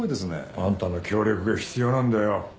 あんたの協力が必要なんだよ。